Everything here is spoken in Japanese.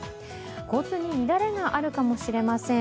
交通に乱れがあるかもしれません。